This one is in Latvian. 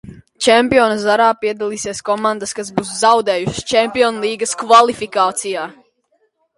Čempionu zarā piedalīsies komandas, kas būs zaudējušas Čempionu līgas kvalifikācijā.